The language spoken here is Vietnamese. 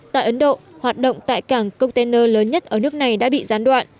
tại ấn độ hoạt động tại cảng container lớn nhất ở nước này đã bị gián đoạn